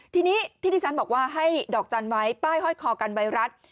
ทีนี้ที่ที่ฉันบอกว่าให้ดอกจันทร์ไว้ป้ายห้อยคอกันไวรัส